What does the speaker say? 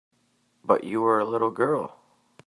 But you were a little girl.